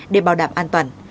để bảo đảm an toàn